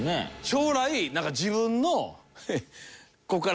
将来自分の。